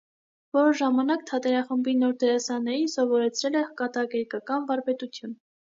Որոշ ժամանակ թատերախմբի նոր դերասաններին սովորեցրել է կատակերգական վարպետություն։